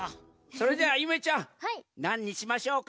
それじゃあゆめちゃんなんにしましょうか？